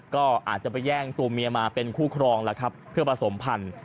ก็อาจจะไปแย่งตัวเมียมาเป็นคู่ครองแล้วครับเพื่อผสมพันธุ